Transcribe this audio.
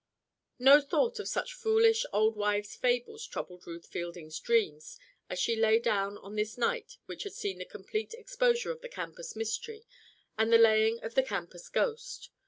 No thought of such foolish, old wives' fables troubled Ruth Fielding's dreams as she lay down on this night which had seen the complete exposure of the campus mystery and the laying of the campus ghost.